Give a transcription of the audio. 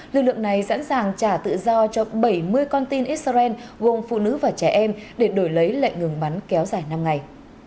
lực lượng này sẵn sàng trả tự do cho bảy mươi con tin israel gồm phụ nữ và trẻ em để đổi lấy lệnh ngừng bắn kéo dài năm ngày